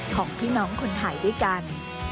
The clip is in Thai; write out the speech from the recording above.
ของพี่น้องคนไทยด้วยกัน